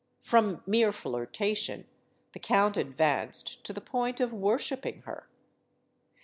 From mere flirtation, the count advanced to the point of worshiping her.